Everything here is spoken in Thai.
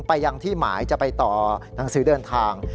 ไปยังที่หมายจะไปต่อหนังสือเดินทาง